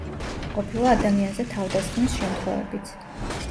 ყოფილა ადამიანზე თავდასხმის შემთხვევებიც.